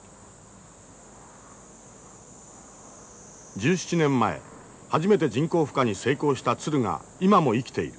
１７年前初めて人工孵化に成功した鶴が今も生きている。